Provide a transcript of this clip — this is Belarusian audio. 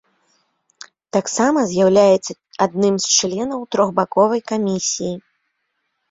Таксама з'яўляецца адным з членам трохбаковай камісіі.